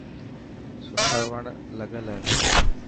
سوٺا وڻ لگل هي.